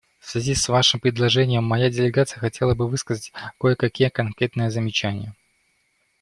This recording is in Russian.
В связи с вашим предложением моя делегация хотела бы высказать кое-какие конкретные замечания.